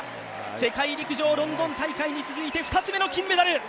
世界陸上ロンドン大会に続いて２つ目の金メダル。